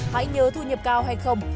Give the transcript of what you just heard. hãy nhớ thu nhập cao hay không